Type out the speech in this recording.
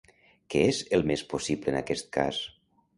Què és el més possible en aquest cas?